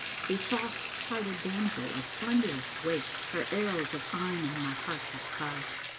A soft sided damsel of slenderest waist * Her arrows of eyne on my heart hath plied?